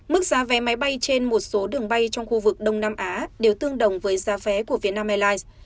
mức giá vé máy bay trên một số đường bay trong khu vực đông nam á đều tương đồng với giá vé của vietnam airlines